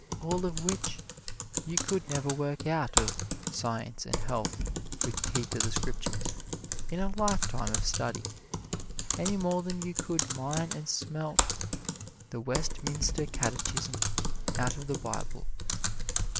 All of which you could never work out of "Science and Health with Key to the Scriptures" in a lifetime of study, any more than you could mine and smelt the Westminster Catechism out of the Bible.